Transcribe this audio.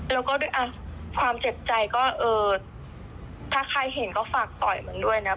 แล้วก็ด้วยความเจ็บใจก็เออถ้าใครเห็นก็ฝากต่อยมันด้วยนะ